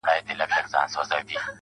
شاعره ياره ستا قربان سمه زه~